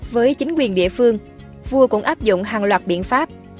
với chính quyền địa phương vua cũng áp dụng hàng loạt biện pháp